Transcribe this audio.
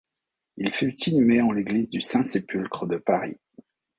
Il fut inhumé en l'église du Saint-Sépulcre de Paris.